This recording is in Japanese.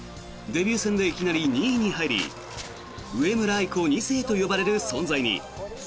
デビュー戦でいきなり２位に入り上村愛子２世と呼ばれる存在に。